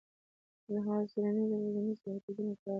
له څېړنیزو روزنیزو مرکزونو کار دی